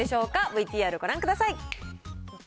ＶＴＲご覧ください。